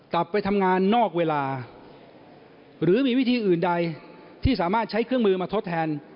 กลับไปทำงานนอกเวลาหรือมีวิธีอื่นใดที่สามารถใช้เครื่องมือมาทดแทน